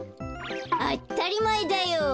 あったりまえだよ。